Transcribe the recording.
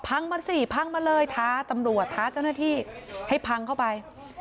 มาสิพังมาเลยท้าตำรวจท้าเจ้าหน้าที่ให้พังเข้าไป